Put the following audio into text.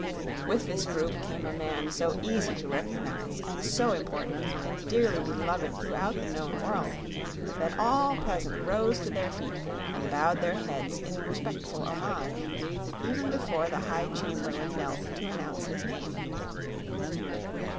With this group came a man so easy to recognize and so important and dearly beloved throughout the known world, that all present rose to their feet and bowed their heads in respectful homage, even before the High Chamberlain knelt to announce his name.